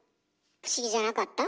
不思議じゃなかった？